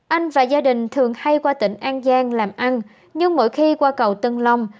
anh và gia đình thường hay qua tỉnh an giang làm ăn nhưng mỗi khi qua cầu tân long